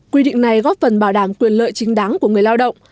quy định này góp phần bảo đảm quyền lợi chính đáng của người lao động